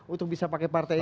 untuk bisa pakai partai